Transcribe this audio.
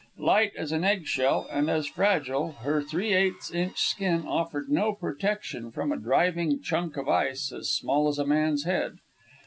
Light as an egg shell, and as fragile, her three eighths inch skin offered no protection from a driving chunk of ice as small as a man's head.